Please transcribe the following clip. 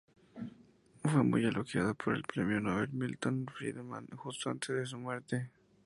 Fue muy elogiado por el premio Nobel Milton Friedman, justo antes de su muerte.